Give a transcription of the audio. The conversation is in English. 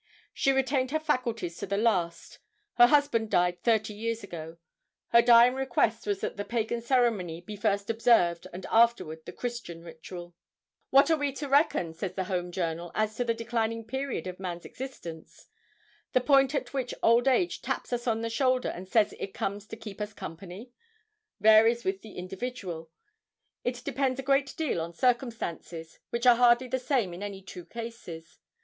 She retained her faculties to the last. Her husband died thirty years ago. Her dying request was that the pagan ceremony be first observed and afterward the Christian ritual. What are we to reckon, says the Home Journal, as the declining period of man's existence? The point at which old age taps us on the shoulder, and says it comes to keep us company, varies with every individual. It depends a great deal on circumstances, which are hardly the same in any two cases.